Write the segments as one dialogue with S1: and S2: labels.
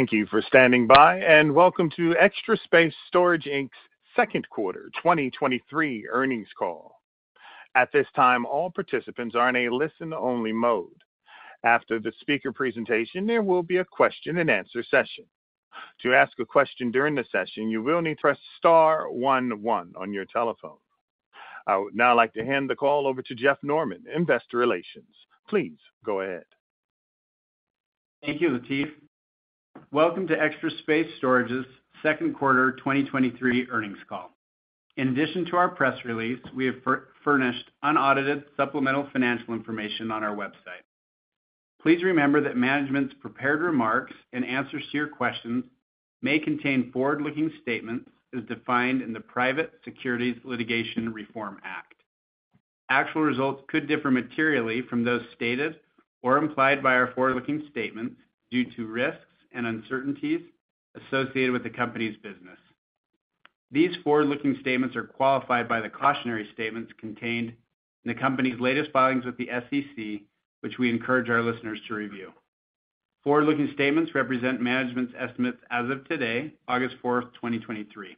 S1: Thank you for standing by, and welcome to Extra Space Storage Inc.'s second quarter 2023 earnings call. At this time, all participants are in a listen-only mode. After the speaker presentation, there will be a question-and-answer session. To ask a question during the session, you will need to press star one, one on your telephone. I would now like to hand the call over to Jeff Norman, Investor Relations. Please go ahead.
S2: Thank you, Latif. Welcome to Extra Space Storage's second quarter 2023 earnings call. In addition to our press release, we have furnished unaudited supplemental financial information on our website. Please remember that management's prepared remarks and answers to your questions may contain forward-looking statements as defined in the Private Securities Litigation Reform Act. Actual results could differ materially from those stated or implied by our forward-looking statements due to risks and uncertainties associated with the company's business. These forward-looking statements are qualified by the cautionary statements contained in the company's latest filings with the SEC, which we encourage our listeners to review. Forward-looking statements represent management's estimates as of today, August 4th, 2023.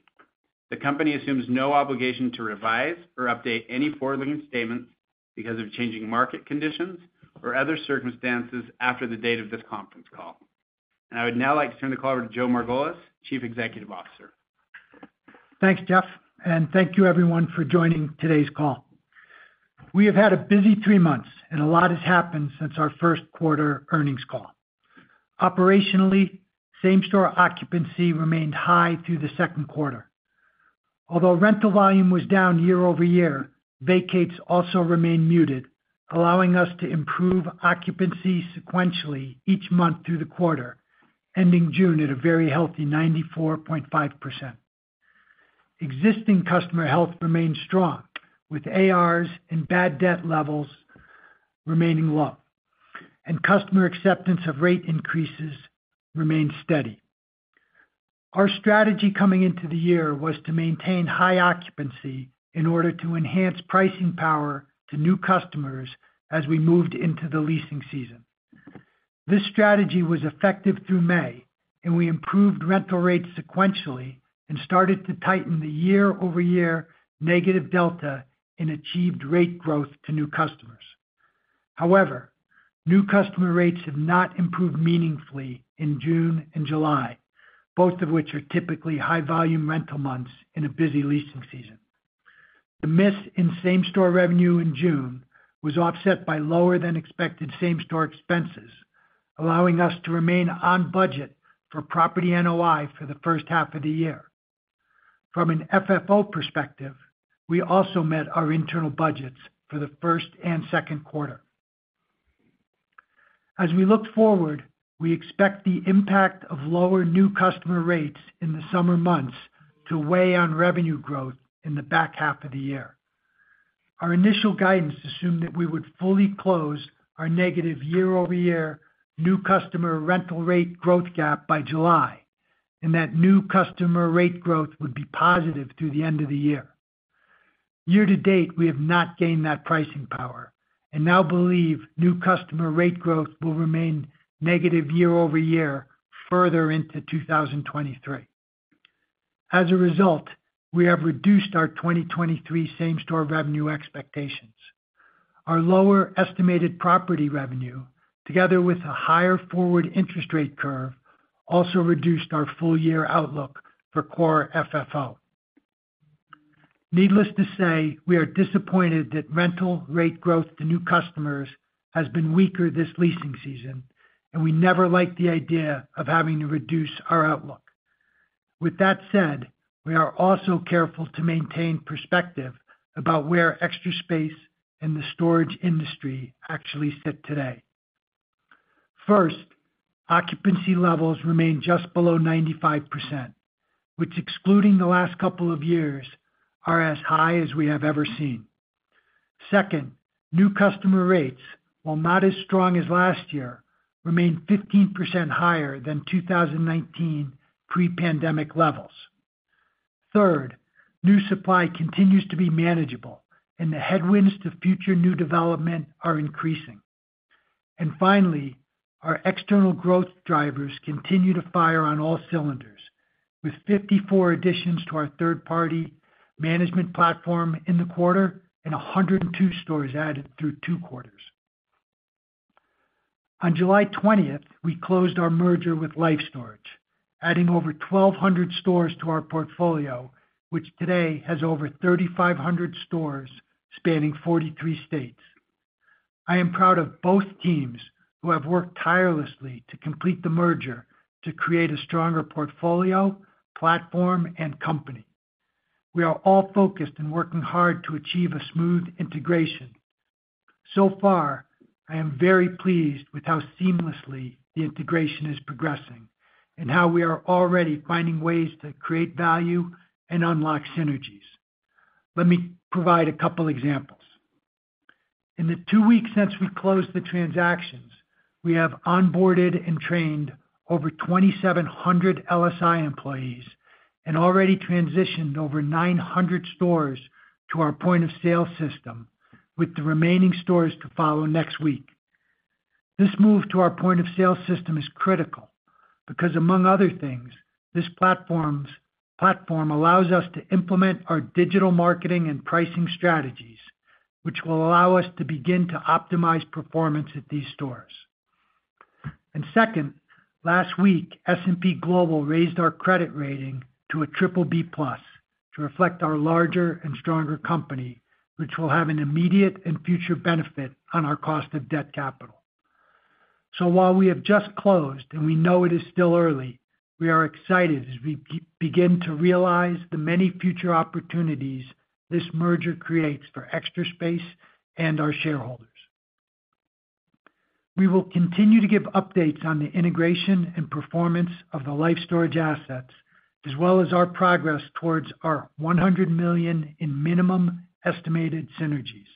S2: The company assumes no obligation to revise or update any forward-looking statements because of changing market conditions or other circumstances after the date of this conference call. I would now like to turn the call over to Joe Margolis, Chief Executive Officer.
S3: Thanks, Jeff, thank you everyone for joining today's call. We have had a busy three months, and a lot has happened since our first quarter earnings call. Operationally, same-store occupancy remained high through the second quarter. Although rental volume was down year-over-year, vacates also remained muted, allowing us to improve occupancy sequentially each month through the quarter, ending June at a very healthy 94.5%. Existing customer health remains strong, with ARs and bad debt levels remaining low, and customer acceptance of rate increases remains steady. Our strategy coming into the year was to maintain high occupancy in order to enhance pricing power to new customers as we moved into the leasing season. This strategy was effective through May, and we improved rental rates sequentially and started to tighten the year-over-year negative delta and achieved rate growth to new customers. However, new customer rates have not improved meaningfully in June and July, both of which are typically high volume rental months in a busy leasing season. The miss in same-store revenue in June was offset by lower-than-expected same-store expenses, allowing us to remain on budget for property NOI for the first half of the year. From an FFO perspective, we also met our internal budgets for the first and second quarter. As we look forward, we expect the impact of lower new customer rates in the summer months to weigh on revenue growth in the back half of the year. Our initial guidance assumed that we would fully close our negative year-over-year new customer rental rate growth gap by July, and that new customer rate growth would be positive through the end of the year. Year to date, we have not gained that pricing power and now believe new customer rate growth will remain negative year-over-year further into 2023. As a result, we have reduced our 2023 same-store revenue expectations. Our lower estimated property revenue, together with a higher forward interest rate curve, also reduced our full-year outlook for core FFO. Needless to say, we are disappointed that rental rate growth to new customers has been weaker this leasing season. We never like the idea of having to reduce our outlook. With that said, we are also careful to maintain perspective about where Extra Space and the storage industry actually sit today. First, occupancy levels remain just below 95%, which, excluding the last couple of years, are as high as we have ever seen. Second, new customer rates, while not as strong as last year, remain 15% higher than 2019 pre-pandemic levels. Third, new supply continues to be manageable, and the headwinds to future new development are increasing. Finally, our external growth drivers continue to fire on all cylinders, with 54 additions to our third-party management platform in the quarter and 102 stores added through two quarters. On July 20th, we closed our merger with Life Storage, adding over 1,200 stores to our portfolio, which today has over 3,500 stores spanning 43 states. I am proud of both teams who have worked tirelessly to complete the merger to create a stronger portfolio, platform, and company. We are all focused and working hard to achieve a smooth integration. So far, I am very pleased with how seamlessly the integration is progressing and how we are already finding ways to create value and unlock synergies. Let me provide a couple examples. In the two weeks since we closed the transactions, we have onboarded and trained over 2,700 LSI employees and already transitioned over 900 stores to our point-of-sale system, with the remaining stores to follow next week. This move to our point-of-sale system is critical because, among other things, this platform allows us to implement our digital marketing and pricing strategies, which will allow us to begin to optimize performance at these stores. Second, last week, S&P Global raised our credit rating to a BBB+ to reflect our larger and stronger company, which will have an immediate and future benefit on our cost of debt capital. While we have just closed and we know it is still early, we are excited as we begin to realize the many future opportunities this merger creates for Extra Space and our shareholders. We will continue to give updates on the integration and performance of the Life Storage assets, as well as our progress towards our $100 million in minimum estimated synergies.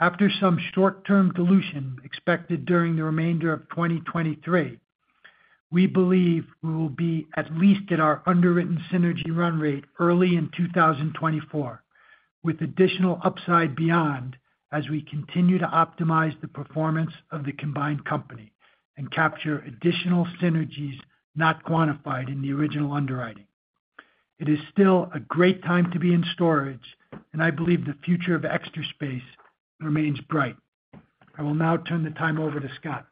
S3: After some short-term dilution expected during the remainder of 2023, we believe we will be at least at our underwritten synergy run rate early in 2024, with additional upside beyond as we continue to optimize the performance of the combined company and capture additional synergies not quantified in the original underwriting. It is still a great time to be in storage, and I believe the future of Extra Space remains bright. I will now turn the time over to Scott.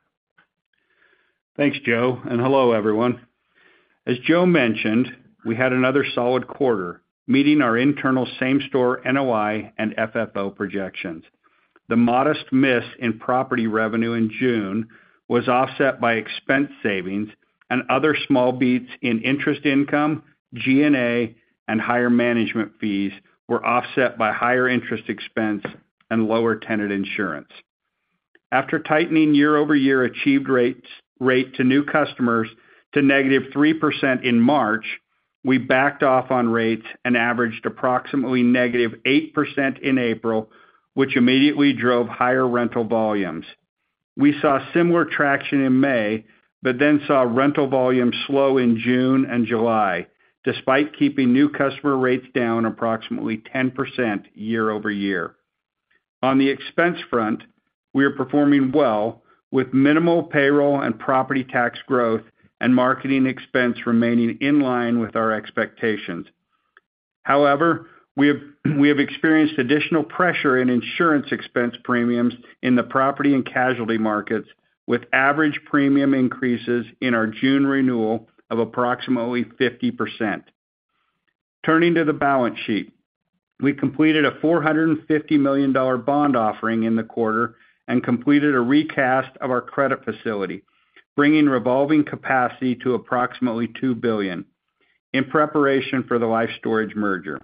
S4: Thanks, Joe, and hello, everyone. As Joe mentioned, we had another solid quarter, meeting our internal same-store NOI and FFO projections. The modest miss in property revenue in June was offset by expense savings and other small beats in interest income, G&A, and higher management fees were offset by higher interest expense and lower tenant insurance. After tightening year-over-year achieved rates, rate to new customers to -3% in March, we backed off on rates and averaged approximately -8% in April, which immediately drove higher rental volumes. We saw similar traction in May, but then saw rental volume slow in June and July, despite keeping new customer rates down approximately 10% year-over-year. On the expense front, we are performing well with minimal payroll and property tax growth and marketing expense remaining in line with our expectations. We have experienced additional pressure in insurance expense premiums in the property and casualty markets, with average premium increases in our June renewal of approximately 50%. Turning to the balance sheet, we completed a $450 million bond offering in the quarter and completed a recast of our credit facility, bringing revolving capacity to approximately $2 billion, in preparation for the Life Storage merger.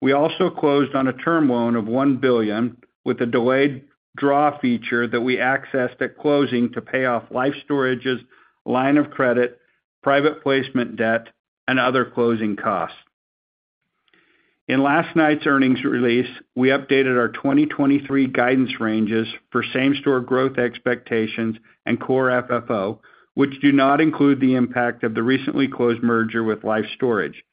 S4: We also closed on a term loan of $1 billion, with a delayed draw feature that we accessed at closing to pay off Life Storage's line of credit, private placement debt, and other closing costs. In last night's earnings release, we updated our 2023 guidance ranges for same-store growth expectations and core FFO, which do not include the impact of the recently closed merger with Life Storage.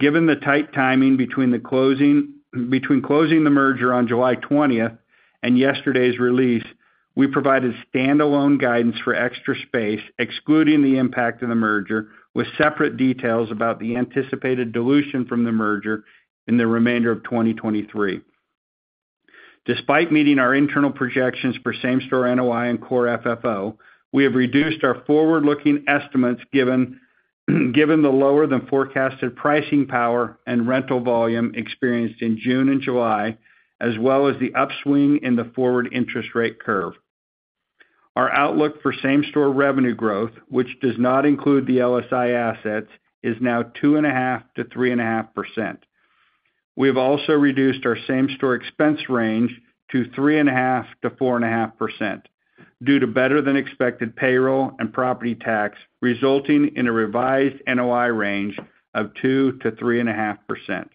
S4: Given the tight timing between closing the merger on July 20th and yesterday's release, we provided standalone guidance for Extra Space, excluding the impact of the merger, with separate details about the anticipated dilution from the merger in the remainder of 2023. Despite meeting our internal projections for same-store NOI and core FFO, we have reduced our forward-looking estimates, given the lower-than-forecasted pricing power and rental volume experienced in June and July, as well as the upswing in the forward interest rate curve. Our outlook for same-store revenue growth, which does not include the LSI assets, is now 2.5%-3.5%. We have also reduced our same-store expense range to 3.5%-4.5%, due to better-than-expected payroll and property tax, resulting in a revised NOI range of 2%-3.5%.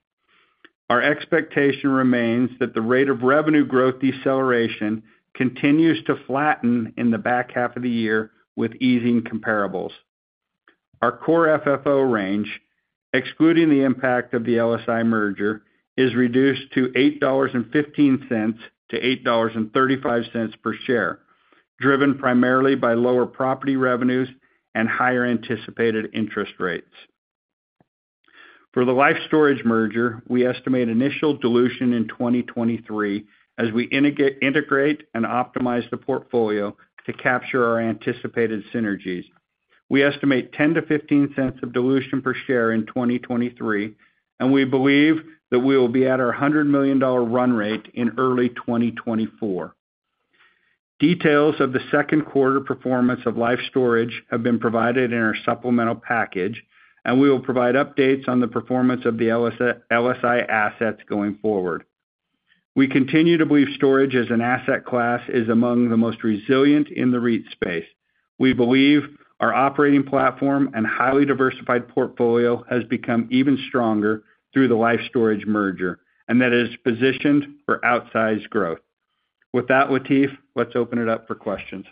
S4: Our expectation remains that the rate of revenue growth deceleration continues to flatten in the back half of the year with easing comparables. Our core FFO range, excluding the impact of the LSI merger, is reduced to $8.15-$8.35 per share, driven primarily by lower property revenues and higher anticipated interest rates. For the Life Storage merger, we estimate initial dilution in 2023 as we integrate, integrate and optimize the portfolio to capture our anticipated synergies. We estimate $0.10-$0.15 of dilution per share in 2023, we believe that we will be at our $100 million run rate in early 2024. Details of the second quarter performance of Life Storage have been provided in our supplemental package, we will provide updates on the performance of the LSI, LSI assets going forward. We continue to believe storage as an asset class is among the most resilient in the REIT space. We believe our operating platform and highly diversified portfolio has become even stronger through the Life Storage merger, that is positioned for outsized growth. With that, Latif, let's open it up for questions.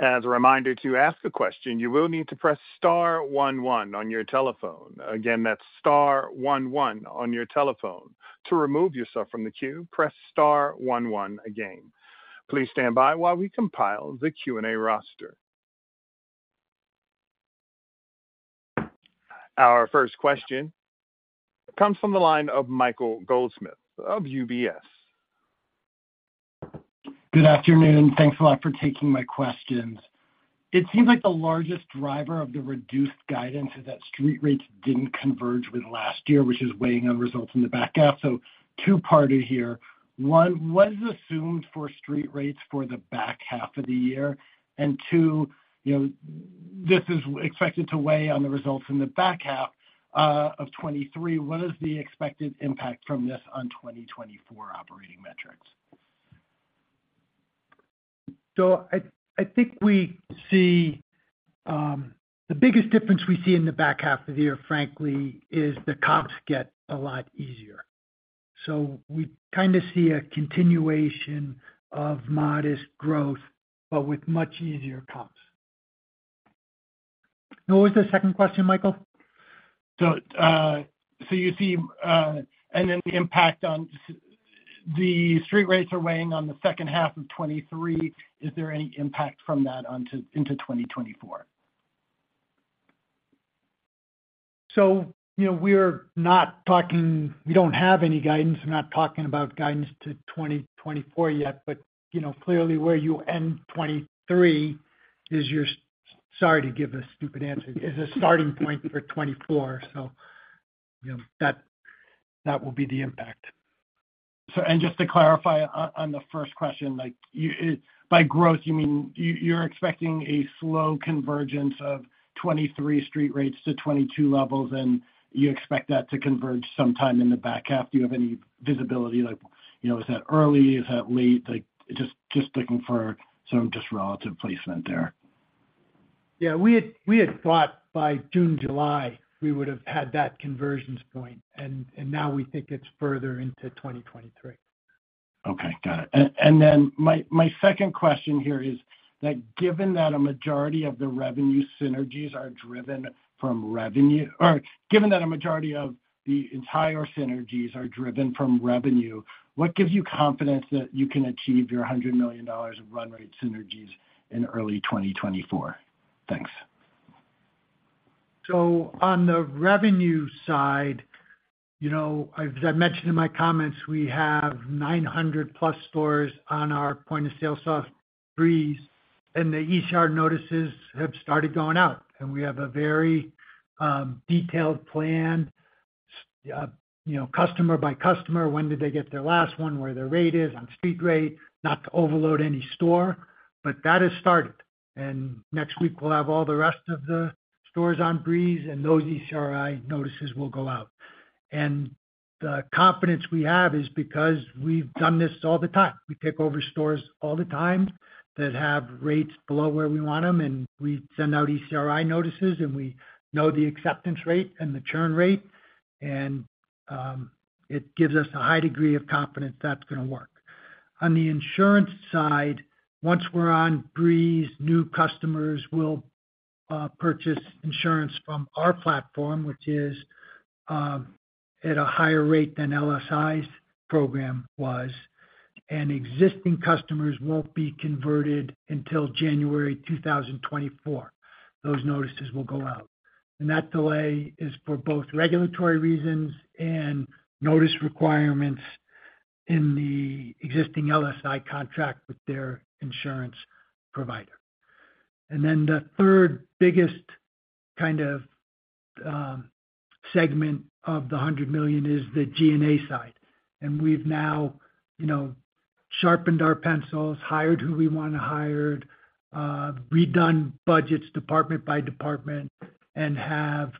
S1: As a reminder, to ask a question, you will need to press star one one on your telephone. Again, that's star one one on your telephone. To remove yourself from the queue, press star one one again. Please stand by while we compile the Q&A roster. Our first question comes from the line of Michael Goldsmith of UBS.
S5: Good afternoon. Thanks a lot for taking my questions. It seems like the largest driver of the reduced guidance is that street rates didn't converge with last year, which is weighing on results in the back half. Two-party here. One, what is assumed for street rates for the back half of the year? Two, you know, this is expected to weigh on the results in the back half of 2023. What is the expected impact from this on 2024 operating metrics?
S3: I, I think we see the biggest difference we see in the back half of the year, frankly, is the comps get a lot easier. We kinda see a continuation of modest growth, but with much easier comps. What was the second question, Michael?
S5: you see, and then the impact on the street rates are weighing on the second half of 2023. Is there any impact from that onto - into 2024?
S3: You know, we're not talking. We don't have any guidance. We're not talking about guidance to 2024 yet, you know, clearly where you end 23 is your, sorry to give a stupid answer, is a starting point for 24. You know, that, that will be the impact.
S5: Just to clarify on, on the first question, like, you, it, by growth, you mean you, you're expecting a slow convergence of 23 street rates to 22 levels, and you expect that to converge sometime in the back half. Do you have any visibility? You know, is that early, is that late? Just, just looking for some just relative placement there.
S3: Yeah, we had, we had thought by June, July, we would have had that convergence point, and now we think it's further into 2023.
S5: Okay, got it. And then my second question here is that given that a majority of the revenue synergies are driven from revenue, or given that a majority of the entire synergies are driven from revenue, what gives you confidence that you can achieve your $100 million of run rate synergies in early 2024? Thanks.
S3: On the revenue side, you know, as I mentioned in my comments, we have 900+ stores on our point-of-sale software, Breeze, and the ECRI notices have started going out, and we have a very, you know, detailed plan, customer by customer, when did they get their last one, where their rate is on street rate, not to overload any store, but that has started. Next week, we'll have all the rest of the stores on Breeze, and those ECRI notices will go out. The confidence we have is because we've done this all the time. We take over stores all the time that have rates below where we want them, and we send out ECRI notices, and we know the acceptance rate and the churn rate, and it gives us a high degree of confidence that's going to work. On the insurance side, once we're on Breeze, new customers will purchase insurance from our platform, which is at a higher rate than LSI's program was, and existing customers won't be converted until January 2024. Those notices will go out. That delay is for both regulatory reasons and notice requirements in the existing LSI contract with their insurance provider. Then the third biggest kind of segment of the $100 million is the G&A side. We've now, you know, sharpened our pencils, hired who we want to hire, redone budgets department by department, and have,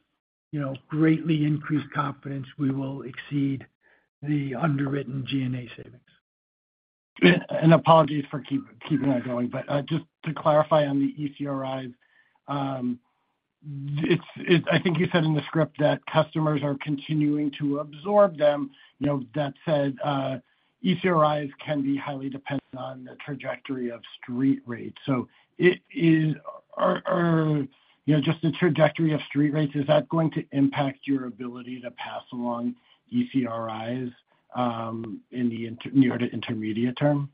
S3: you know, greatly increased confidence we will exceed the underwritten G&A savings.
S5: Apologies for keeping that going. But, just to clarify on the ECRI, it's, it-- I think you said in the script that customers are continuing to absorb them. You know, that said, ECRI can be highly dependent on the trajectory of street rates. It is, or, or, you know, just the trajectory of street rates, is that going to impact your ability to pass along ECRI, in the inter-- near to intermediate term?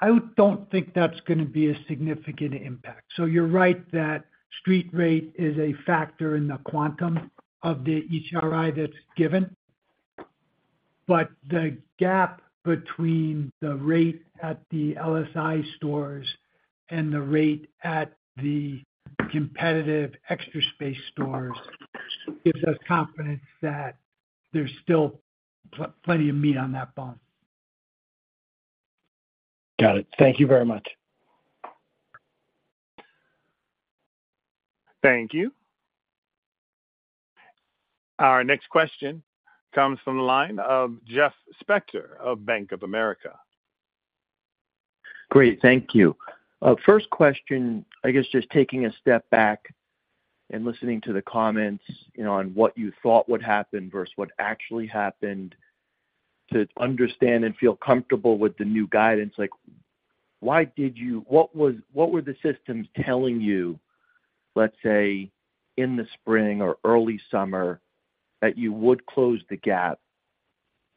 S3: I don't think that's going to be a significant impact. You're right that street rate is a factor in the quantum of the ECRI that's given, but the gap between the rate at the LSI stores and the rate at the competitive Extra Space stores gives us confidence that there's still plenty of meat on that bone.
S5: Got it. Thank you very much.
S1: Thank you. Our next question comes from the line of Jeff Spector of Bank of America.
S6: Great. Thank you. First question, I guess, just taking a step back and listening to the comments, you know, on what you thought would happen versus what actually happened, to understand and feel comfortable with the new guidance, like, why did you-- what were the systems telling you, let's say, in the spring or early summer, that you would close the gap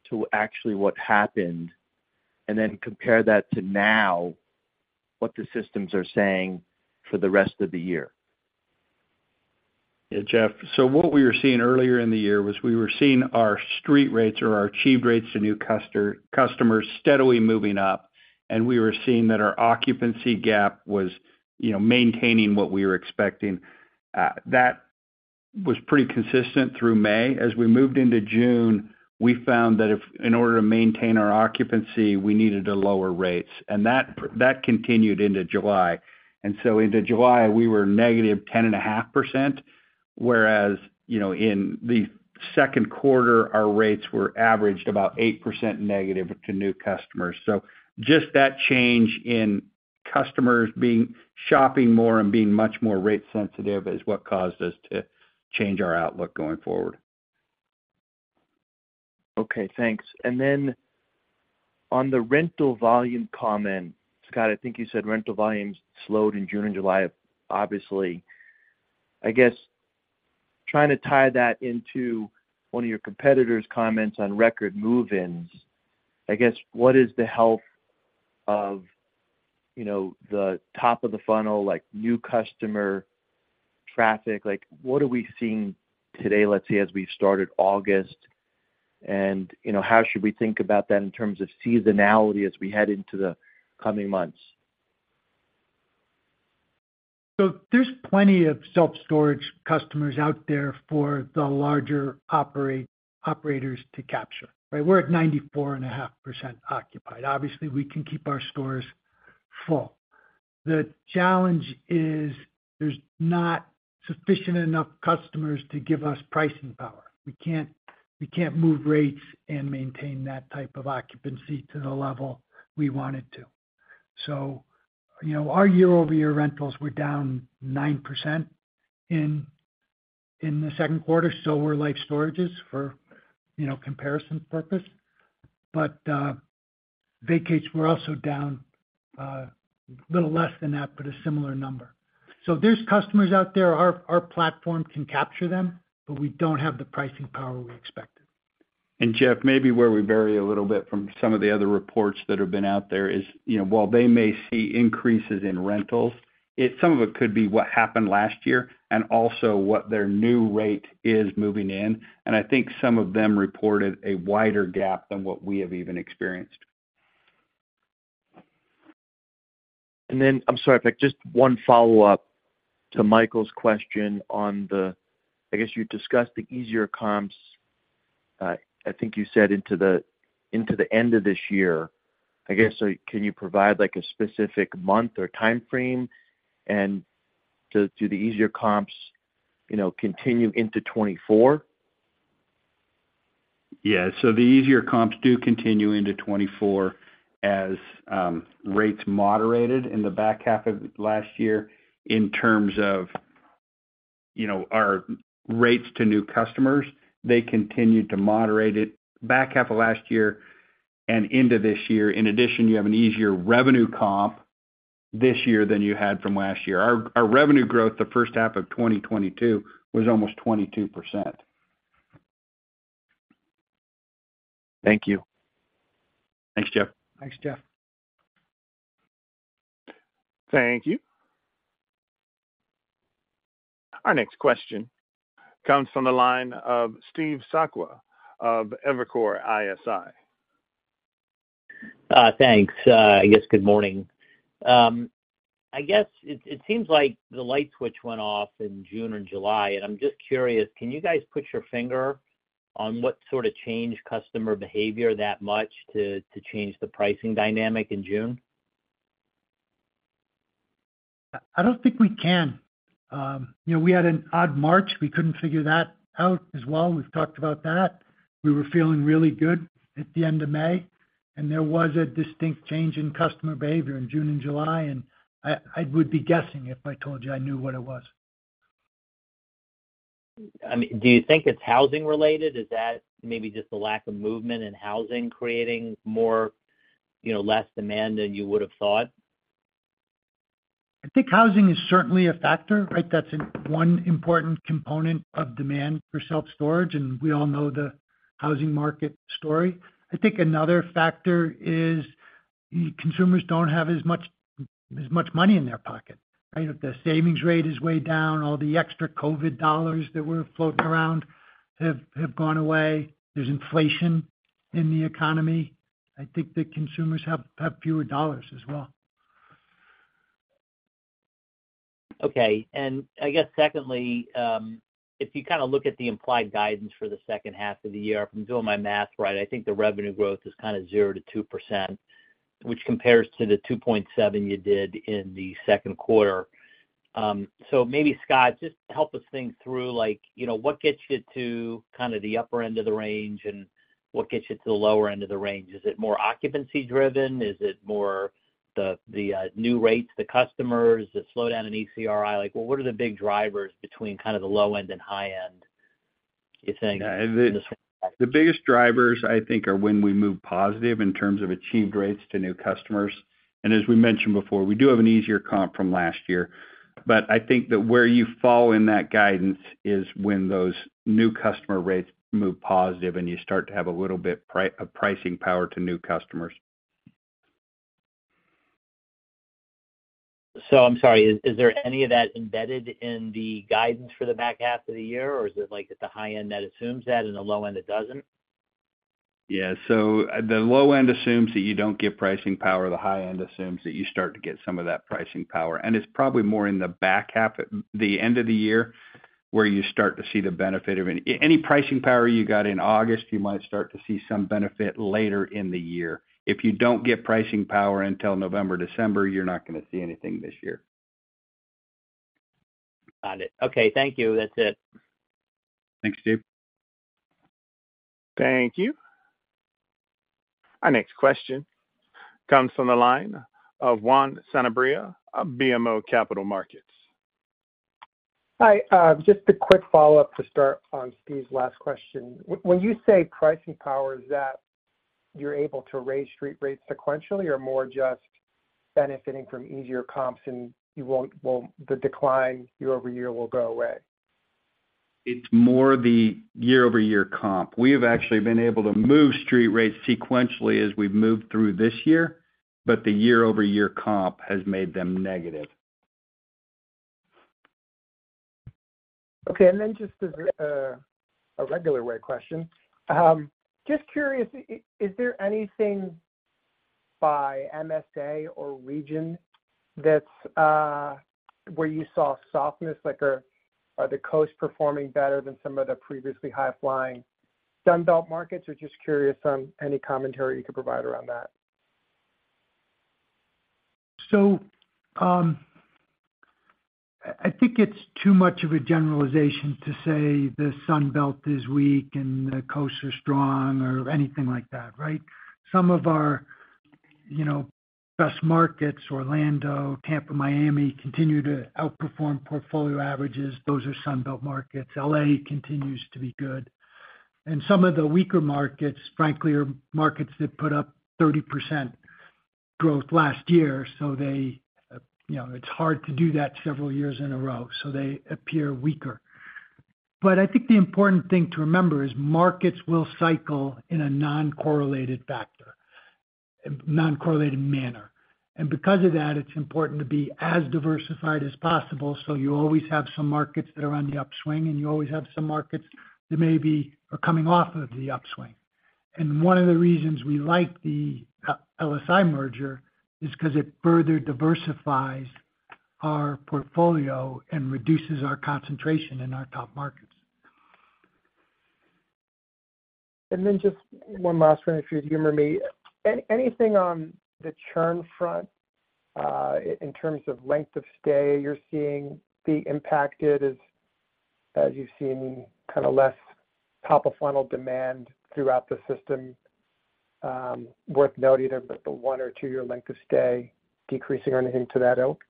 S6: to actually what happened? Then compare that to now, what the systems are saying for the rest of the year.
S4: Yeah, Jeff. What we were seeing earlier in the year was we were seeing our street rates or our achieved rates to new customer, customers steadily moving up, and we were seeing that our occupancy gap was, you know, maintaining what we were expecting. That was pretty consistent through May. As we moved into June, we found that if, in order to maintain our occupancy, we needed to lower rates, and that, that continued into July. Into July, we were -10.5%. Whereas, you know, in the second quarter, our rates were averaged about 8% negative to new customers. Just that change in customers being, shopping more and being much more rate sensitive is what caused us to change our outlook going forward.
S6: Okay, thanks. Then on the rental volume comment, Scott, I think you said rental volumes slowed in June and July, obviously. I guess, trying to tie that into one of your competitors' comments on record move-ins, I guess, what is the health of, you know, the top of the funnel, like new customer traffic? What are we seeing today, let's say, as we started August? You know, how should we think about that in terms of seasonality as we head into the coming months?
S3: There's plenty of self-storage customers out there for the larger operators to capture, right? We're at 94.5% occupied. Obviously, we can keep our stores full. The challenge is there's not sufficient enough customers to give us pricing power. We can't move rates and maintain that type of occupancy to the level we want it to. You know, our year-over-year rentals were down 9% in the 2Q, so were Life Storage's for, you know, comparison purpose. Vacates were also down a little less than that, but a similar number. There's customers out there. Our, our platform can capture them, but we don't have the pricing power we expected.
S4: Jeff, maybe where we vary a little bit from some of the other reports that have been out there is, you know, while they may see increases in rentals, some of it could be what happened last year and also what their new rate is moving in. I think some of them reported a wider gap than what we have even experienced.
S6: I'm sorry, just one follow-up to Michael's question on the-- I guess you discussed the easier comps, I think you said, into the, into the end of this year. I guess, so can you provide, like, a specific month or time frame, and do, do the easier comps, you know, continue into 2024?
S4: Yeah. The easier comps do continue into 2024 as rates moderated in the back half of last year in terms of, you know, our rates to new customers. They continued to moderate it back half of last year and into this year. In addition, you have an easier revenue comp this year than you had from last year. Our, our revenue growth, the first half of 2022 was almost 22%.
S6: Thank you. Thanks, Jeff.
S3: Thanks, Jeff.
S1: Thank you. Our next question comes from the line of Steve Sakwa of Evercore ISI.
S7: Thanks. I guess good morning. I guess it seems like the light switch went off in June and July, and I'm just curious, can you guys put your finger on what sort of changed customer behavior that much to, to change the pricing dynamic in June?
S3: I don't think we can. you know, we had an odd March. We couldn't figure that out as well. We've talked about that. We were feeling really good at the end of May, and there was a distinct change in customer behavior in June and July, and I, I would be guessing if I told you I knew what it was.
S7: I mean, do you think it's housing related? Is that maybe just the lack of movement in housing, creating more, you know, less demand than you would have thought?
S3: I think housing is certainly a factor, right? That's one important component of demand for self-storage, and we all know the housing market story. I think another factor is consumers don't have as much money in their pocket, right? The savings rate is way down. All the extra COVID dollars that were floating around have gone away. There's inflation in the economy. I think the consumers have fewer dollars as well.
S7: Okay. I guess secondly, if you kind of look at the implied guidance for the 2nd half of the year, if I'm doing my math right, I think the revenue growth is kind of 0%-2%, which compares to the 2.7% you did in the second quarter. Maybe Scott, just help us think through, like, you know, what gets you to kind of the upper end of the range, and what gets you to the lower end of the range? Is it more occupancy driven? Is it more the, the, new rates, the customers, the slowdown in ECRI? Like, what are the big drivers between kind of the low end and high end, you're saying?
S4: The biggest drivers, I think, are when we move positive in terms of achieved rates to new customers. As we mentioned before, we do have an easier comp from last year, but I think that where you fall in that guidance is when those new customer rates move positive, and you start to have a little bit of pricing power to new customers.
S7: I'm sorry, is there any of that embedded in the guidance for the back half of the year, or is it like at the high end that assumes that, and the low end, it doesn't?
S4: Yeah. The low end assumes that you don't get pricing power. The high end assumes that you start to get some of that pricing power, and it's probably more in the back half, at the end of the year, where you start to see the benefit of it. Any pricing power you got in August, you might start to see some benefit later in the year. If you don't get pricing power until November, December, you're not going to see anything this year.
S7: Got it. Okay, thank you. That's it.
S4: Thanks, Steve.
S1: Thank you. Our next question comes from the line of Juan Sanabria, of BMO Capital Markets.
S8: Hi, just a quick follow-up to start on Steve's last question. When you say pricing power, is that you're able to raise street rates sequentially or more just benefiting from easier comps, and you won't, well, the decline year-over-year will go away?
S4: It's more the year-over-year comp. We have actually been able to move street rates sequentially as we've moved through this year. The year-over-year comp has made them negative.
S8: Okay. Just as a regular rate question. Just curious, is there anything by MSA or region that's where you saw softness, like, are the coast performing better than some of the previously high-flying Sun Belt markets? Just curious on any commentary you could provide around that.
S3: I, I think it's too much of a generalization to say the Sun Belt is weak and the coasts are strong or anything like that, right? Some of our, you know, best markets, Orlando, Tampa, Miami, continue to outperform portfolio averages. Those are Sun Belt markets. L.A. continues to be good. Some of the weaker markets, frankly, are markets that put up 30% growth last year, so they, you know, it's hard to do that several years in a row, so they appear weaker. I think the important thing to remember is markets will cycle in a non-correlated factor, non-correlated manner. Because of that, it's important to be as diversified as possible, so you always have some markets that are on the upswing, and you always have some markets that may be are coming off of the upswing. One of the reasons we like the LSI merger is because it further diversifies our portfolio and reduces our concentration in our top markets.
S8: Just one last one, if you would humor me. Anything on the churn front, in terms of length of stay, you're seeing be impacted as, as you've seen kind of less top-of-funnel demand throughout the system, worth noting, but the one or two-year length of stay decreasing or anything to that ilk?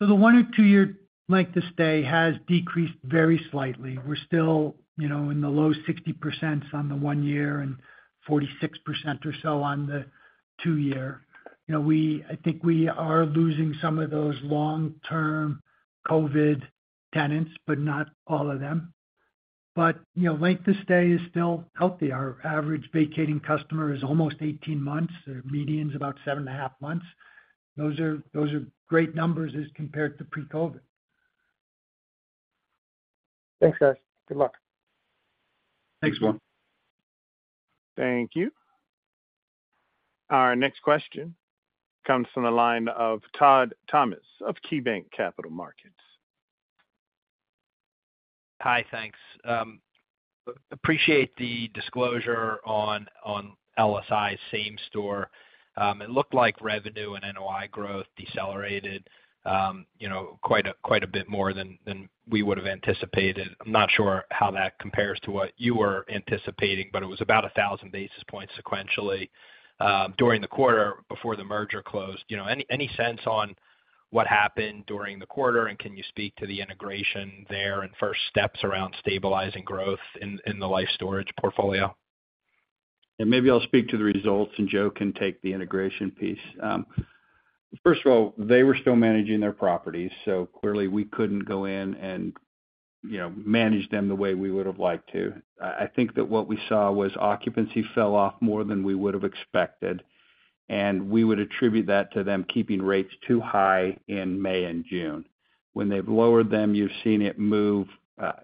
S3: The one or two-year length of stay has decreased very slightly. We're still, you know, in the low 60% on the one year and 46% or so on the two year. You know, I think we are losing some of those long-term COVID tenants, but not all of them. Length of stay is still healthy. Our average vacating customer is almost 18 months. Their median is about seven and 1/2 months. Those are, those are great numbers as compared to pre-COVID.
S8: Thanks, guys. Good luck.
S4: Thanks, Juan.
S1: Thank you. Our next question comes from the line of Todd Thomas of KeyBanc Capital Markets.
S9: Hi, thanks. Appreciate the disclosure on, on LSI same store. It looked like revenue and NOI growth decelerated, you know, quite a, quite a bit more than, than we would have anticipated. I'm not sure how that compares to what you were anticipating, but it was about 1,000 basis points sequentially during the quarter before the merger closed. You know, any, any sense on what happened during the quarter, and can you speak to the integration there and first steps around stabilizing growth in, in the Life Storage portfolio?
S4: Maybe I'll speak to the results, and Joe can take the integration piece. First of all, they were still managing their properties, so clearly we couldn't go in and, you know, manage them the way we would have liked to. I, I think that what we saw was occupancy fell off more than we would have expected, and we would attribute that to them keeping rates too high in May and June. When they've lowered them, you've seen it move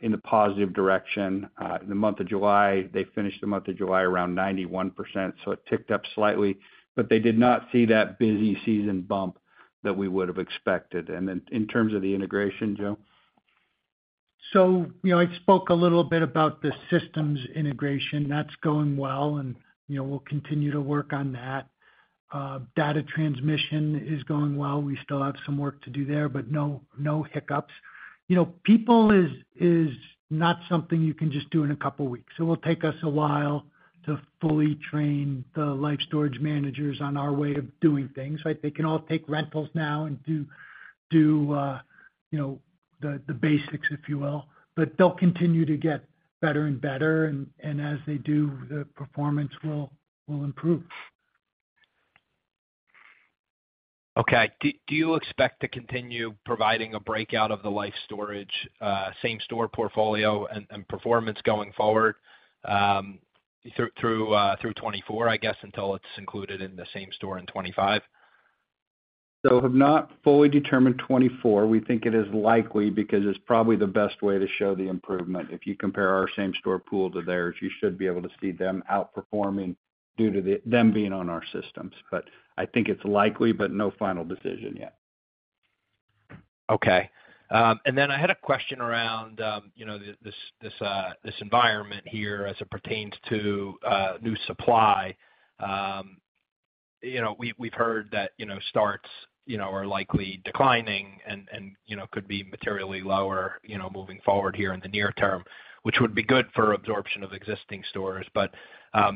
S4: in a positive direction. The month of July, they finished the month of July around 91%, so it ticked up slightly, but they did not see that busy season bump that we would have expected. Then in terms of the integration, Joe?
S3: You know, I spoke a little bit about the systems integration. That's going well, and, you know, we'll continue to work on that. Data transmission is going well. We still have some work to do there, but no, no hiccups. You know, people is, is not something you can just do in a couple of weeks. It will take us a while to fully train the Life Storage managers on our way of doing things, right? They can all take rentals now and do, do, you know, the, the basics, if you will, but they'll continue to get better and better, and, and as they do, the performance will, will improve.
S9: Okay. Do, do you expect to continue providing a breakout of the Life Storage same-store portfolio and performance going forward, through 2024, I guess, until it's included in the same store in 2025?
S4: Have not fully determined 2024. We think it is likely because it's probably the best way to show the improvement. If you compare our same-store pool to theirs, you should be able to see them outperforming due to them being on our systems. I think it's likely, but no final decision yet.
S9: Okay. Then I had a question around, you know, this, this environment here as it pertains to new supply. You know, we, we've heard that, you know, starts, you know, are likely declining and, and, you know, could be materially lower, you know, moving forward here in the near term, which would be good for absorption of existing stores.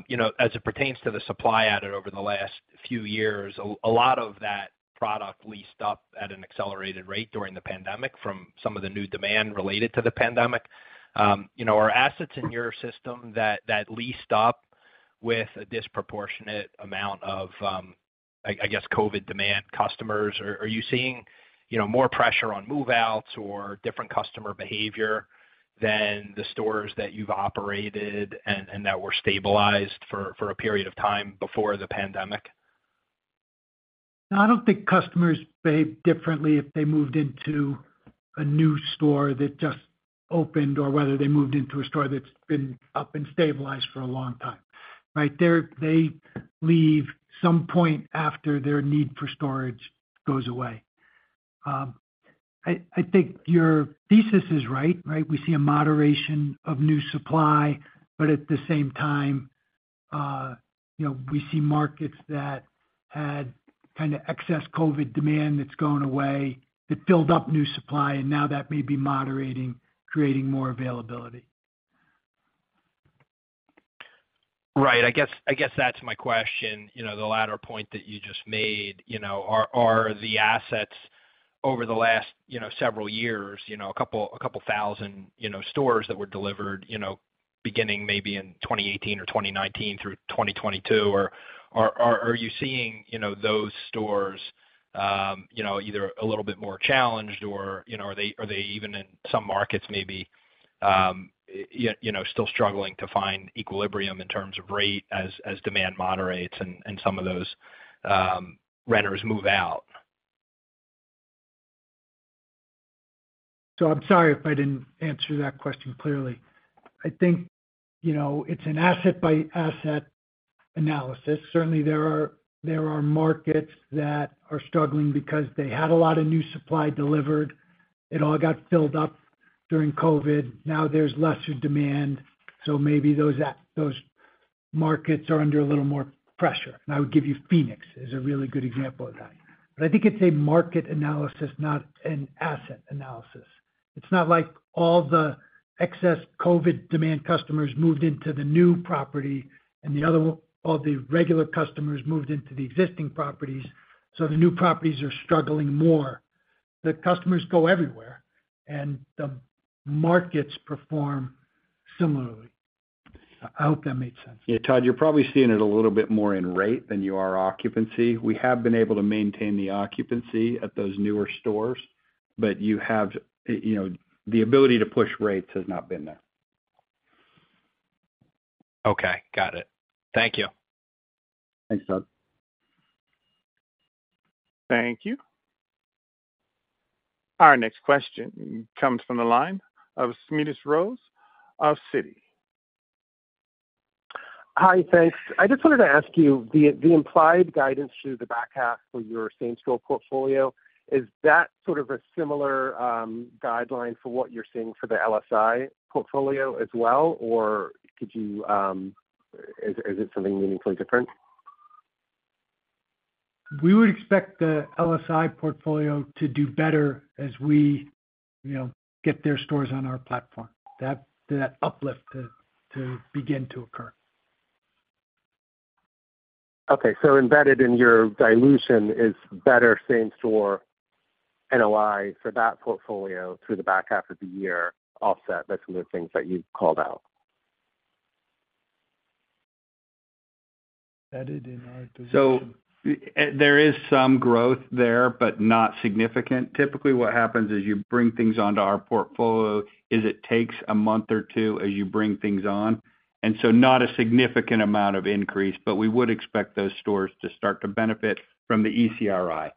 S9: You know, as it pertains to the supply added over the last few years, a, a lot of that product leased up at an accelerated rate during the pandemic from some of the new demand related to the pandemic. You know, are assets in your system that, that leased up with a disproportionate amount of I guess, COVID demand customers, are, are you seeing, you know, more pressure on move-outs or different customer behavior than the stores that you've operated and, and that were stabilized for, for a period of time before the pandemic?
S3: No, I don't think customers behaved differently if they moved into a new store that just opened or whether they moved into a store that's been up and stabilized for a long time, right? They leave some point after their need for storage goes away. I, I think your thesis is right, right? We see a moderation of new supply, but at the same time, you know, we see markets that had kind of excess COVID demand that's going away, that filled up new supply, and now that may be moderating, creating more availability.
S9: Right. I guess, I guess that's my question, you know, the latter point that you just made. You know, are, are the assets over the last, you know, several years, you know, 2,000, you know, stores that were delivered, you know, beginning maybe in 2018 or 2019 through 2022, or are, are, are you seeing, you know, those stores, you know, either a little bit more challenged or, you know, are they, are they even in some markets maybe, you know, still struggling to find equilibrium in terms of rate as, as demand moderates and, and some of those, renters move out?
S3: I'm sorry if I didn't answer that question clearly. I think, you know, it's an asset-by-asset analysis. Certainly, there are, there are markets that are struggling because they had a lot of new supply delivered. It all got filled up during COVID. Now there's lesser demand, so maybe those markets are under a little more pressure. I would give you Phoenix as a really good example of that. I think it's a market analysis, not an asset analysis. It's not like all the excess COVID demand customers moved into the new property and the other one, all the regular customers moved into the existing properties, so the new properties are struggling more. The customers go everywhere, and the markets perform similarly. I hope that made sense.
S4: Yeah, Todd, you're probably seeing it a little bit more in rate than you are occupancy. We have been able to maintain the occupancy at those newer stores, but you have, you know, the ability to push rates has not been there.
S9: Okay, got it. Thank you.
S4: Thanks, Todd.
S1: Thank you. Our next question comes from the line of Smedes Rose of Citi.
S10: Hi, thanks. I just wanted to ask you, the implied guidance through the back half for your same-store portfolio, is that sort of a similar guideline for what you're seeing for the LSI portfolio as well, or could you, is it something meaningfully different?
S3: We would expect the LSI portfolio to do better as we, you know, get their stores on our platform, that, that uplift to, to begin to occur.
S10: Okay, embedded in your dilution is better same-store NOI for that portfolio through the back half of the year, offset by some of the things that you've called out?
S3: Added in our dilution.
S4: There is some growth there, but not significant. Typically, what happens is you bring things onto our portfolio, is it takes a month or two as you bring things on, and so not a significant amount of increase, but we would expect those stores to start to benefit from the ECRI.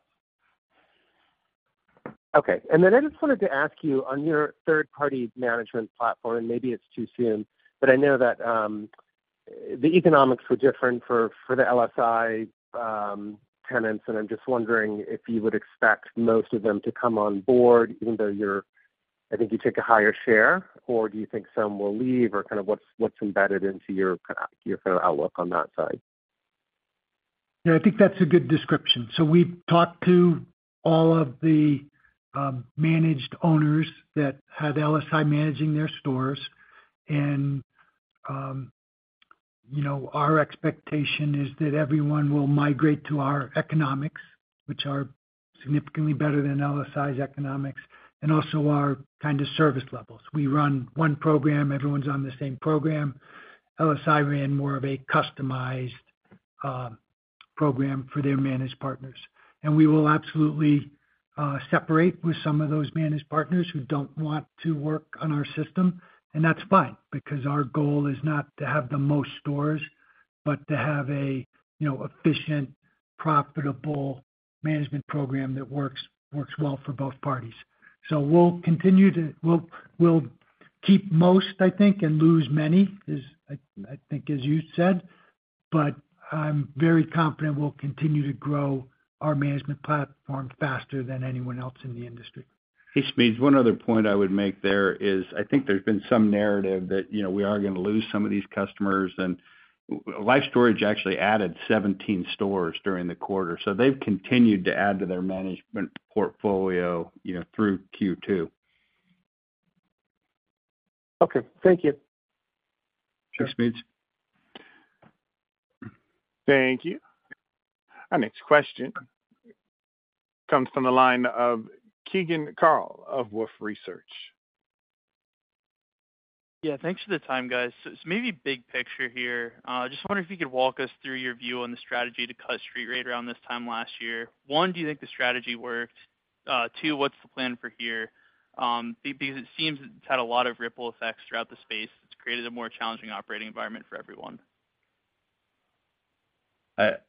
S10: Okay. Then I just wanted to ask you, on your third-party management platform, maybe it's too soon, but I know that.
S11: The economics were different for the LSI tenants, and I'm just wondering if you would expect most of them to come on board, even though you're, I think you take a higher share, or do you think some will leave? Or kind of what's embedded into your, kind of, your fair outlook on that side?
S3: Yeah, I think that's a good description. We've talked to all of the managed owners that have LSI managing their stores, and, you know, our expectation is that everyone will migrate to our economics, which are significantly better than LSI's economics, and also our kind of service levels. We run one program, everyone's on the same program. LSI ran more of a customized program for their managed partners. We will absolutely separate with some of those managed partners who don't want to work on our system, and that's fine, because our goal is not to have the most stores, but to have a, you know, efficient, profitable management program that works, works well for both parties. We'll continue to.. We'll, we'll keep most, I think, and lose many, as, I, I think, as you said, but I'm very confident we'll continue to grow our management platform faster than anyone else in the industry.
S4: Hey, Smedes, one other point I would make there is, I think there's been some narrative that, you know, we are gonna lose some of these customers. Life Storage actually added 17 stores during the quarter, so they've continued to add to their management portfolio, you know, through Q2.
S10: Okay. Thank you.
S4: Thanks, Smedes.
S1: Thank you. Our next question comes from the line of Keegan Carl of Wolfe Research.
S12: Yeah, thanks for the time, guys. Maybe big picture here, just wondering if you could walk us through your view on the strategy to cut street rate around this time last year. One, do you think the strategy worked? Two, what's the plan for here? Because it seems it's had a lot of ripple effects throughout the space. It's created a more challenging operating environment for everyone.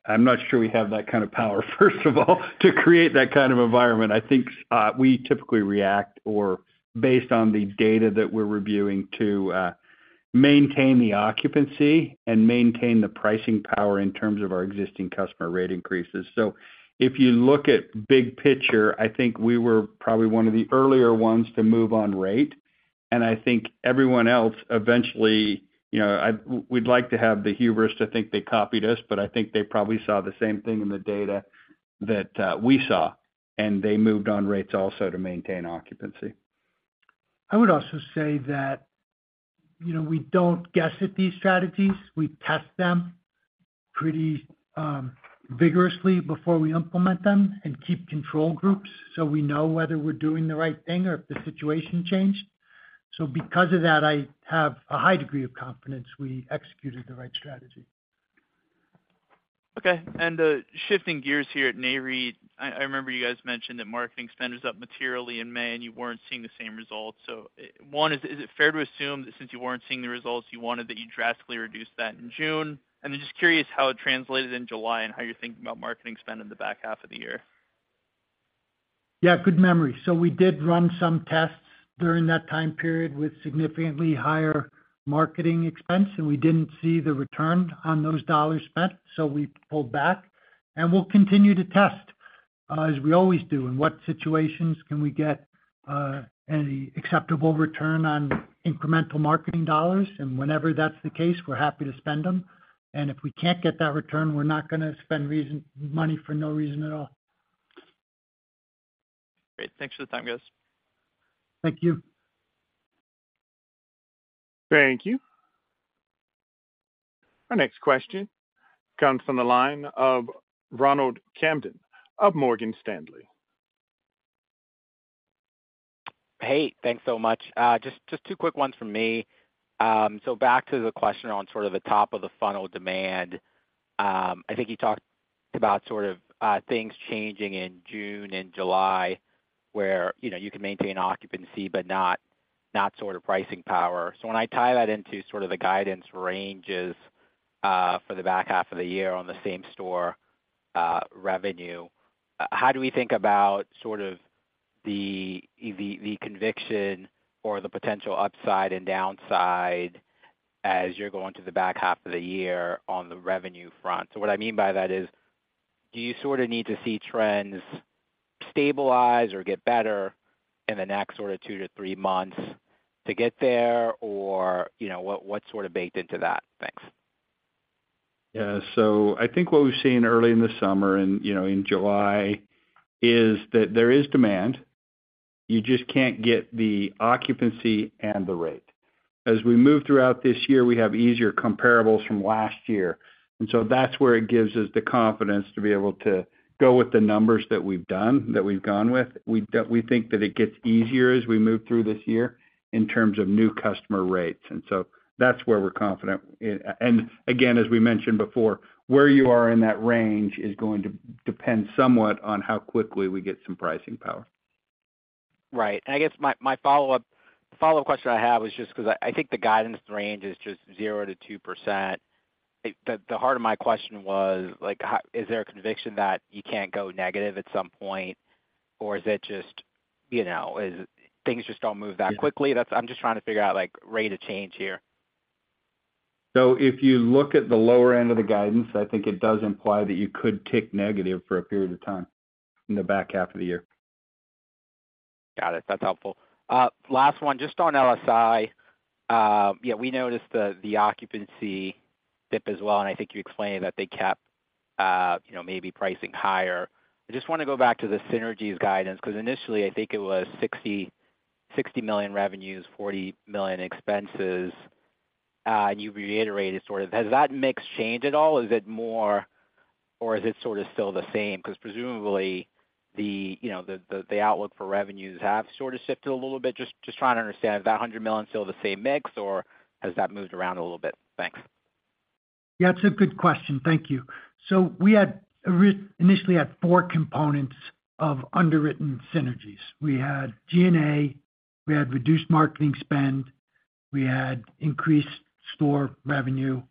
S4: I'm not sure we have that kind of power, first of all, to create that kind of environment. I think we typically react or based on the data that we're reviewing to maintain the occupancy and maintain the pricing power in terms of our existing customer rate increases. If you look at big picture, I think we were probably one of the earlier ones to move on rate, and I think everyone else eventually, you know, we'd like to have the hubris to think they copied us, but I think they probably saw the same thing in the data that we saw, and they moved on rates also to maintain occupancy.
S3: I would also say that, you know, we don't guess at these strategies. We test them pretty vigorously before we implement them and keep control groups so we know whether we're doing the right thing or if the situation changed. Because of that, I have a high degree of confidence we executed the right strategy.
S12: Okay. Shifting gears here at Nareit, I, I remember you guys mentioned that marketing spend was up materially in May, and you weren't seeing the same results. One, is, is it fair to assume that since you weren't seeing the results you wanted, that you drastically reduced that in June? I'm just curious how it translated in July and how you're thinking about marketing spend in the back half of the year.
S3: Yeah, good memory. We did run some tests during that time period with significantly higher marketing expense, and we didn't see the return on those dollars spent, so we pulled back. We'll continue to test, as we always do, in what situations can we get any acceptable return on incremental marketing dollars? Whenever that's the case, we're happy to spend them. If we can't get that return, we're not gonna spend money for no reason at all.
S12: Great. Thanks for the time, guys.
S3: Thank you.
S1: Thank you. Our next question comes from the line of Ronald Kamdem of Morgan Stanley.
S13: Hey, thanks so much. Just, just two quick ones from me. Back to the question on sort of the top-of-the-funnel demand. I think you talked about sort of things changing in June and July, where, you know, you can maintain occupancy, but not, not sort of pricing power. When I tie that into sort of the guidance ranges, for the back half of the year on the same store revenue, how do we think about sort of the, the, the conviction or the potential upside and downside as you're going to the back half of the year on the revenue front? What I mean by that is, do you sort of need to see trends stabilize or get better in the next sort of two to three months to get there? You know, what, what's sort of baked into that? Thanks.
S4: Yeah. I think what we've seen early in the summer and, you know, in July, is that there is demand, you just can't get the occupancy and the rate. As we move throughout this year, we have easier comparables from last year, and that's where it gives us the confidence to be able to go with the numbers that we've done, that we've gone with. We, we think that it gets easier as we move through this year in terms of new customer rates, and that's where we're confident. And again, as we mentioned before, where you are in that range is going to depend somewhat on how quickly we get some pricing power.
S13: Right. I guess my, my follow-up, follow-up question I have is just because I, I think the guidance range is just 0%-2%. The, the heart of my question was, like, is there a conviction that you can't go negative at some point, or is it just, you know, things just don't move that quickly? That's, I'm just trying to figure out, like, rate of change here.
S4: If you look at the lower end of the guidance, I think it does imply that you could tick negative for a period of time in the back half of the year.
S13: Got it. That's helpful. Last one, just on LSI. We noticed the occupancy dip as well, and I think you explained that they kept, you know, maybe pricing higher. I just want to go back to the synergies guidance, because initially, I think it was $60 million revenues, $40 million expenses. You reiterated sort of. Has that mix changed at all? Is it more, or is it sort of still the same? Because presumably, the, you know, the, the, the outlook for revenues have sort of shifted a little bit. Just trying to understand, is that $100 million still the same mix, or has that moved around a little bit? Thanks.
S3: Yeah, it's a good question. Thank you. We initially had four components of underwritten synergies. We had G&A, we had reduced marketing spend, we had increased store revenue,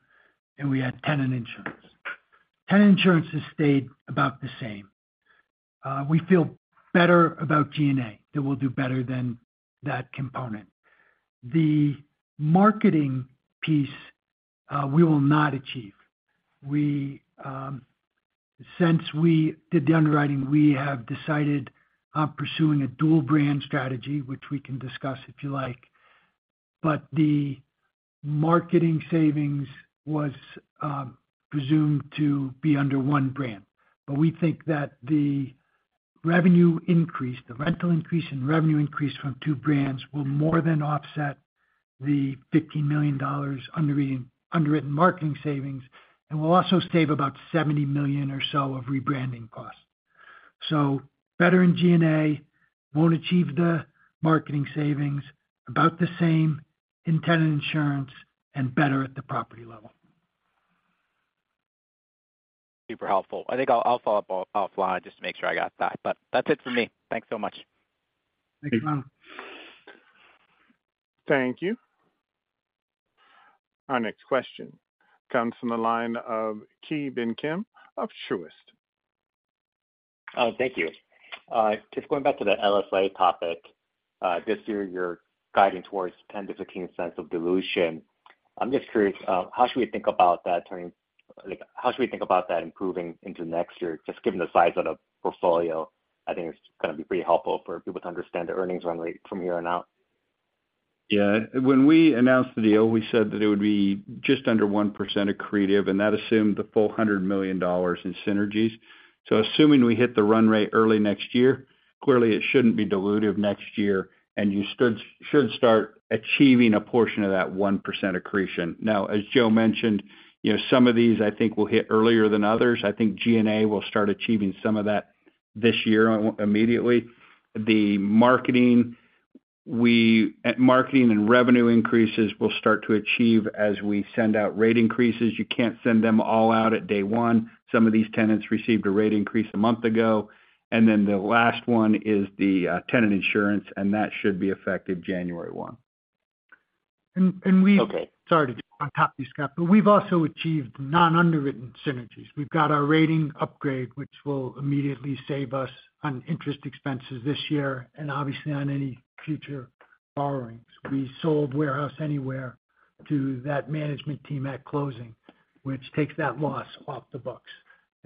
S3: and we had tenant insurance. Tenant insurance has stayed about the same. We feel better about G&A, that we'll do better than that component. The marketing piece, we will not achieve. We, since we did the underwriting, we have decided on pursuing a dual brand strategy, which we can discuss if you like. The marketing savings was presumed to be under one brand. We think that the revenue increase, the rental increase and revenue increase from two brands will more than offset the $15 million underwritten, underwritten marketing savings, and we'll also save about $70 million or so of rebranding costs. Better in G&A, won't achieve the marketing savings, about the same in tenant insurance and better at the property level.
S13: Super helpful. I think I'll, I'll follow up offline just to make sure I got that, but that's it for me. Thanks so much.
S3: Thanks, Ron.
S1: Thank you. Our next question comes from the line of Ki Bin Kim, of Truist.
S14: Oh, thank you. Just going back to the LSI topic. This year, you're guiding towards $0.10-$0.15 of dilution. I'm just curious, how should we think about that improving into next year, just given the size of the portfolio? I think it's gonna be pretty helpful for people to understand the earnings run rate from here on out.
S4: Yeah. When we announced the deal, we said that it would be just under 1% accretive, and that assumed the full $100 million in synergies. Assuming we hit the run rate early next year, clearly it shouldn't be dilutive next year, and you should, should start achieving a portion of that 1% accretion. As Joe mentioned, you know, some of these I think will hit earlier than others. I think G&A will start achieving some of that this year immediately. Marketing and revenue increases will start to achieve as we send out rate increases. You can't send them all out at day one. Some of these tenants received a rate increase one month ago, and then the last one is the tenant insurance, and that should be effective January 1.
S3: And, and we-
S14: Okay.
S3: Sorry to jump on top of you, Scott. We've also achieved non-underwritten synergies. We've got our rating upgrade, which will immediately save us on interest expenses this year and obviously on any future borrowings. We sold Warehouse Anywhere to that management team at closing, which takes that loss off the books.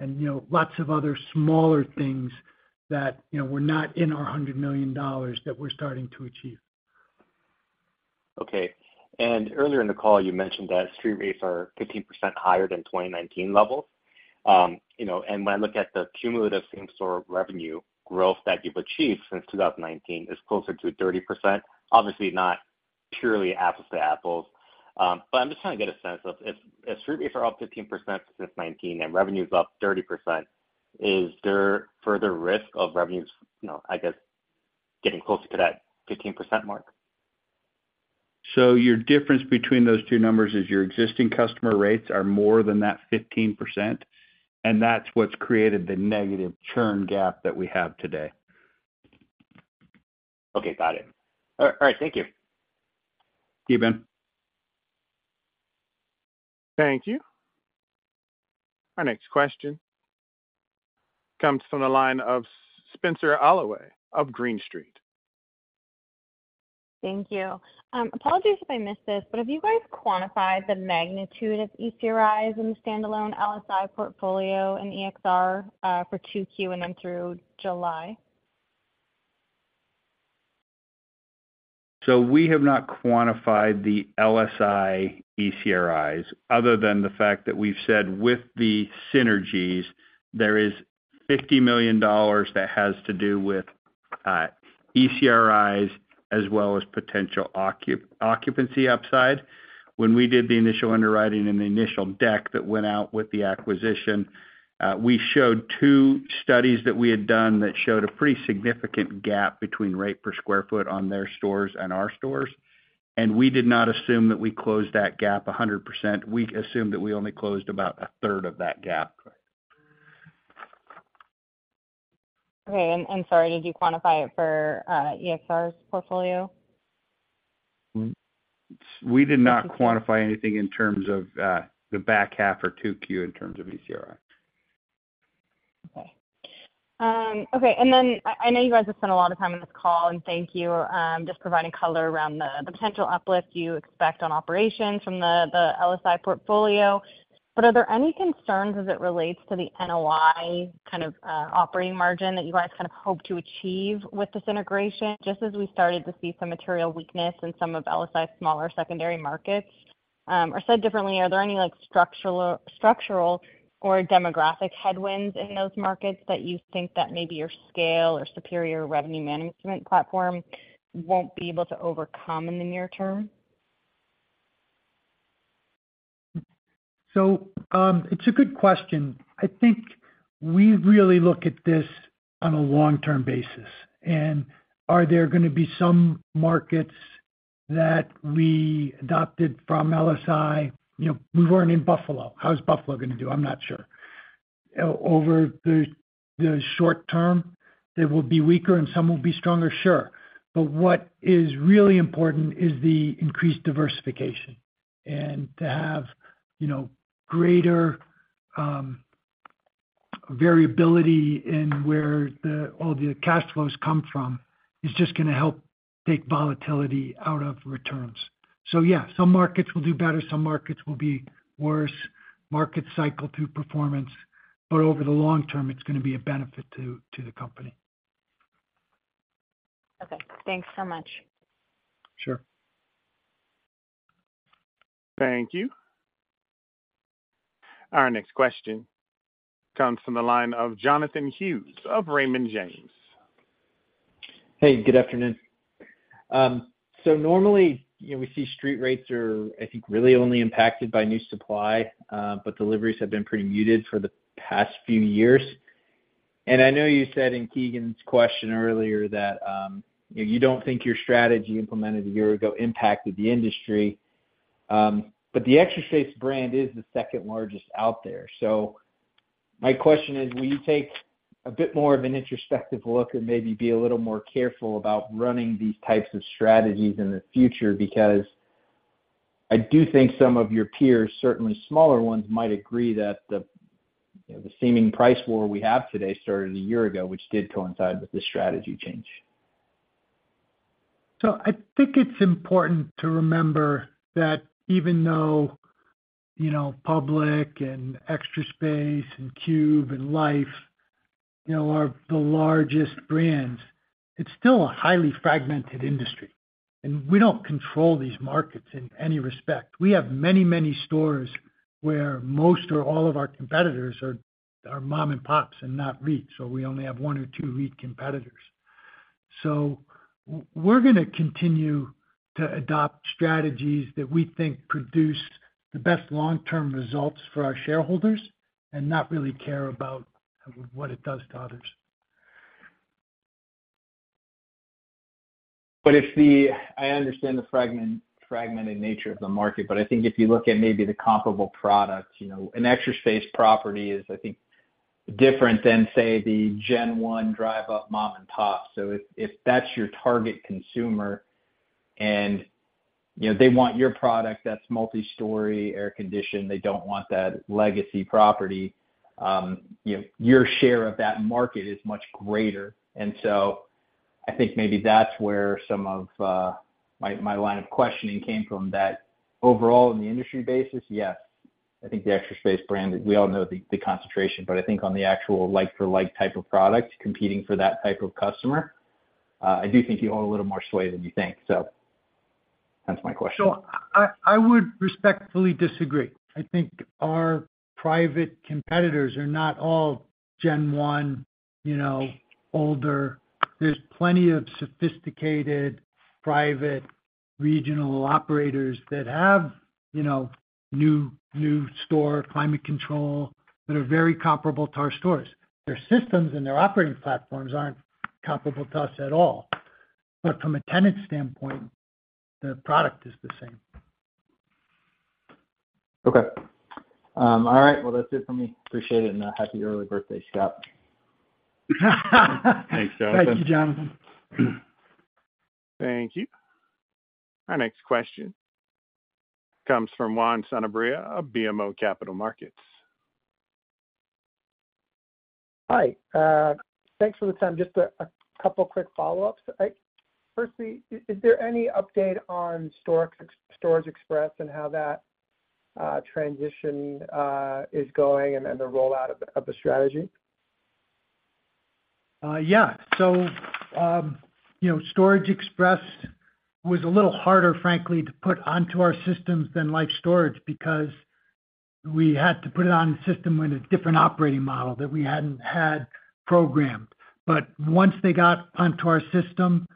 S3: You know, lots of other smaller things that, you know, were not in our $100 million that we're starting to achieve.
S14: Okay. Earlier in the call, you mentioned that street rates are 15% higher than 2019 levels. You know, when I look at the cumulative same-store revenue growth that you've achieved since 2019, it's closer to 30%. Obviously, not purely apples to apples. I'm just trying to get a sense of if, if street rates are up 15% since 2019, and revenue is up 30%, is there further risk of revenues, you know, I guess, getting closer to that 15% mark?
S4: Your difference between those two numbers is your existing customer rates are more than that 15%, and that's what's created the negative churn gap that we have today.
S14: Okay, got it. All right. Thank you.
S4: Thank you, Bin.
S1: Thank you. Our next question comes from the line of Spenser Allaway of Green Street.
S15: Thank you. Apologies if I missed this, but have you guys quantified the magnitude of ECRIs in the standalone LSI portfolio and EXR for 2Q and then through July?
S4: We have not quantified the LSI ECRIs, other than the fact that we've said with the synergies, there is $50 million that has to do with ECRIs as well as potential occupancy upside. When we did the initial underwriting and the initial deck that went out with the acquisition, we showed two studies that we had done that showed a pretty significant gap between rate per square foot on their stores and our stores, and we did not assume that we closed that gap 100%. We assumed that we only closed about a third of that gap.
S15: Okay, I'm, I'm sorry, did you quantify it for EXR's portfolio?
S4: We did not quantify anything in terms of, the back half or 2Q in terms of ECRI.
S15: Okay. Okay, I know you guys have spent a lot of time on this call, and thank you, just providing color around the potential uplift you expect on operations from the LSI portfolio. Are there any concerns as it relates to the NOI kind of operating margin that you guys kind of hope to achieve with this integration, just as we started to see some material weakness in some of LSI's smaller secondary markets? Said differently, are there any, like, structural or demographic headwinds in those markets that you think that maybe your scale or superior revenue management platform won't be able to overcome in the near term?
S3: It's a good question. I think we really look at this on a long-term basis. Are there gonna be some markets that we adopted from LSI? You know, we weren't in Buffalo. How's Buffalo gonna do? I'm not sure. Over the, the short term, they will be weaker and some will be stronger, sure. What is really important is the increased diversification, and to have, you know, greater variability in where the, all the cash flows come from, is just gonna help take volatility out of returns. Yeah, some markets will do better, some markets will be worse, market cycle through performance, but over the long term, it's gonna be a benefit to, to the company.
S15: Okay, thanks so much.
S3: Sure.
S1: Thank you. Our next question comes from the line of Jonathan Hughes of Raymond James.
S16: Hey, good afternoon. So normally, you know, we see street rates are, I think, really only impacted by new supply, but deliveries have been pretty muted for the past few years. I know you said in Keegan's question earlier that, you know, you don't think your strategy implemented a year ago impacted the industry. The Extra Space brand is the second-largest out there. My question is: Will you take a bit more of an introspective look and maybe be a little more careful about running these types of strategies in the future? I do think some of your peers, certainly smaller ones, might agree that the, you know, the seeming price war we have today started a year ago, which did coincide with the strategy change.
S3: I think it's important to remember that even though, you know, Public and Extra Space and Cube and Life, you know, are the largest brands, it's still a highly fragmented industry, and we don't control these markets in any respect. We have many, many stores where most or all of our competitors are, are mom and pops and not REITs, so we only have one or two REIT competitors. We're gonna continue to adopt strategies that we think produce the best long-term results for our shareholders and not really care about what it does to others.
S16: If the-- I understand the fragment, fragmented nature of the market, but I think if you look at maybe the comparable products, you know, an Extra Space property is, I think, different than, say, the gen 1 drive-up mom and pop. If, if that's your target consumer and, you know, they want your product that's multi-story, air-conditioned, they don't want that legacy property, you know, your share of that market is much greater. I think maybe that's where some of my, my line of questioning came from, that overall, in the industry basis, yes, I think the Extra Space brand, we all know the, the concentration, but I think on the actual like-for-like type of product, competing for that type of customer, I do think you own a little more sway than you think. That's my question.
S3: I, I would respectfully disagree. I think our private competitors are not all gen 1, you know, older. There's plenty of sophisticated private regional operators that have, you know, new, new store, climate control, that are very comparable to our stores. Their systems and their operating platforms aren't comparable to us at all. From a tenant standpoint, the product is the same.
S16: Okay. All right, well, that's it for me. Appreciate it, and a happy early birthday, Scott.
S4: Thanks, Jonathan.
S3: Thank you, Jonathan.
S1: Thank you. Our next question comes from Juan Sanabria of BMO Capital Markets.
S8: Hi, thanks for the time. Just a couple quick follow-ups. Firstly, is there any update on Storage Express and how that transition is going and the rollout of the strategy?
S3: Yeah. You know, Storage Express was a little harder, frankly, to put onto our systems than Life Storage because we had to put it on a system with a different operating model that we hadn't had programmed. Once they got onto our system,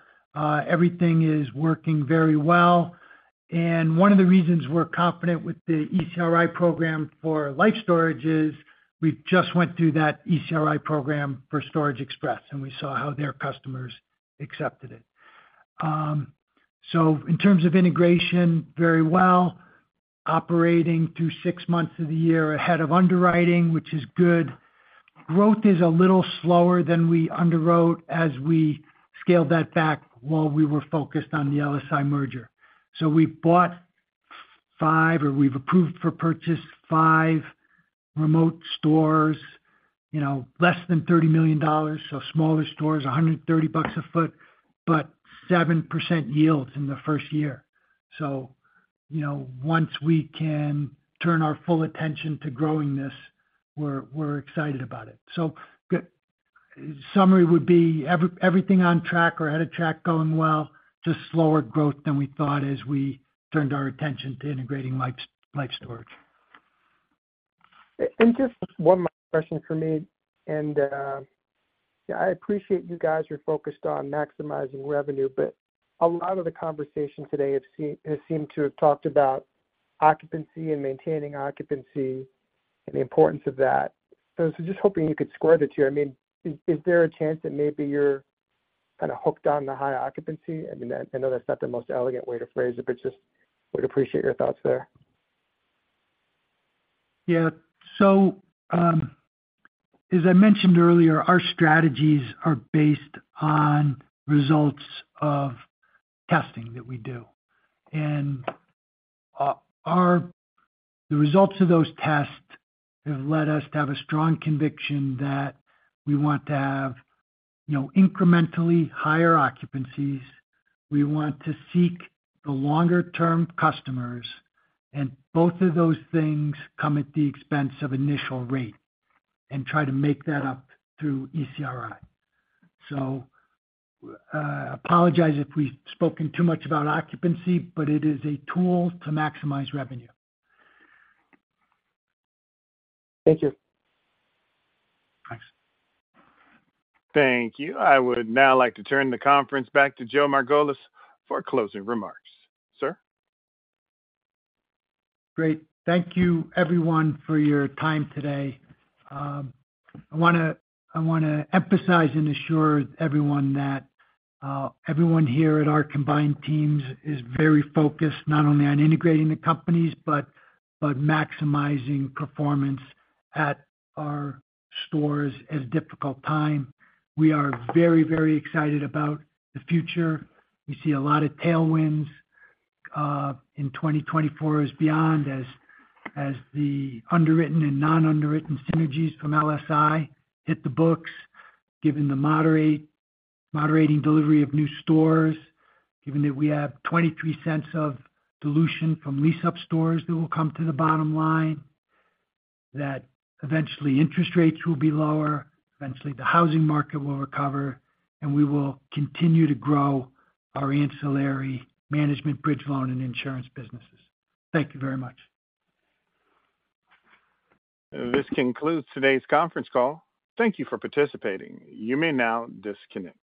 S3: everything is working very well. One of the reasons we're confident with the ECRI program for Life Storage is we just went through that ECRI program for Storage Express, and we saw how their customers accepted it. In terms of integration, very well. Operating through six months of the year ahead of underwriting, which is good. Growth is a little slower than we underwrote as we scaled that back while we were focused on the LSI merger. We bought five, or we've approved for purchase five remote stores, you know, less than $30 million. Smaller stores, $130 a foot, but 7% yields in the first year. You know, once we can turn our full attention to growing this, we're, we're excited about it. Summary would be, everything on track or ahead of track, going well, just slower growth than we thought as we turned our full attention to integrating Life Storage.
S8: Just one more question for me, and, I appreciate you guys are focused on maximizing revenue, but a lot of the conversation today has seemed to have talked about occupancy and maintaining occupancy and the importance of that. I was just hoping you could square the two. I mean, is there a chance that maybe you're kind of hooked on the high occupancy? I mean, I know that's not the most elegant way to phrase it, but just would appreciate your thoughts there.
S3: Yeah. As I mentioned earlier, our strategies are based on results of testing that we do. The results of those tests have led us to have a strong conviction that we want to have, you know, incrementally higher occupancies. We want to seek the longer-term customers, and both of those things come at the expense of initial rate, and try to make that up through ECRI. Apologize if we've spoken too much about occupancy, but it is a tool to maximize revenue.
S8: Thank you.
S3: Thanks.
S1: Thank you. I would now like to turn the conference back to Joe Margolis for closing remarks. Sir?
S3: Great. Thank you everyone for your time today. I wanna, I wanna emphasize and assure everyone that everyone here at our combined teams is very focused, not only on integrating the companies, but, but maximizing performance at our stores as difficult time. We are very, very excited about the future. We see a lot of tailwinds in 2024 as beyond, as, as the underwritten and non-underwritten synergies from LSI hit the books, given the moderate- moderating delivery of new stores, given that we have $0.23 of dilution from lease-up stores that will come to the bottom line, that eventually interest rates will be lower, eventually the housing market will recover, and we will continue to grow our ancillary management, bridge loan, and insurance businesses. Thank you very much.
S1: This concludes today's conference call. Thank you for participating. You may now disconnect.